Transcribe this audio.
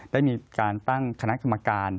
ได้มีการตั้งคณะกรรมการ